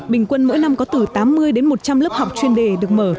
bình quân mỗi năm có từ tám mươi đến một trăm linh lớp học chuyên đề được mở